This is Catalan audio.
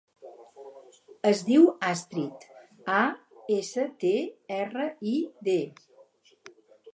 Es diu Astrid: a, essa, te, erra, i, de.